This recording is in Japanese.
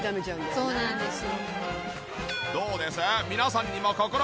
そうなんですよ。